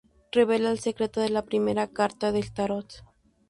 Revela el secreto de la primera Carta del tarot.